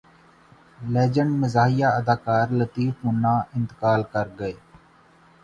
legend مزاحیہ اداکار لطیف منا انتقال کر گئے